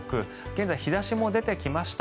現在、日差しも出てきました。